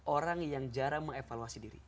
orang yang jarang mengevaluasi diri